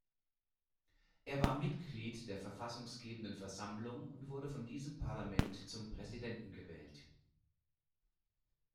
Er war Mitglied der verfassungsgebenden Versammlung und wurde von diesem Parlament zum Präsidenten gewählt.